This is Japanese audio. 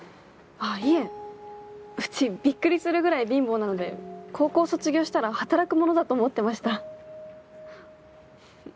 あいえうちビックリするぐらい貧乏なので高校卒業したら働くものだと思ってました。